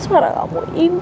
ya allah ya tuhan